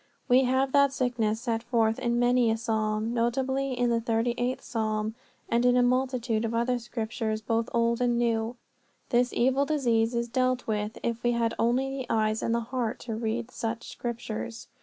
We have that sickness set forth in many a psalm, notably in the thirty eighth psalm; and in a multitude of other scriptures, both old and new, this evil disease is dealt with if we had only the eyes and the heart to read such scriptures.